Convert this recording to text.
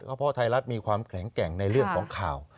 เพราะไทยรัฐมีความแข็งแกร่งในเรื่องของข่าว